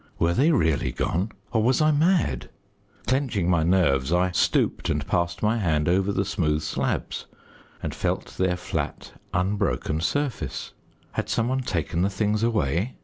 Were they really gone? or was I mad? Clenching my nerves, I stooped and passed my hand over the smooth slabs, and felt their flat unbroken surface. Had some one taken the things away?